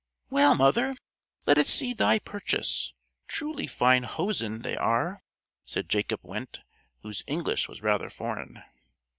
"Well, mother, let us see thy purchase. Truly fine hosen they are," said Jacob Wendte, whose English was rather foreign.